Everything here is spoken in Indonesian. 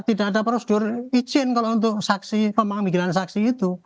tidak ada prosedur izin kalau untuk saksi pemanggilan saksi itu